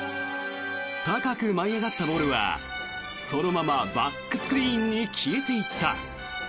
高く舞い上がったボールはそのままバックスクリーンに消えていった。